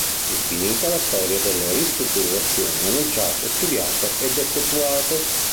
Infinita la storia delle ristrutturazioni annunciate, studiate ed effettuate.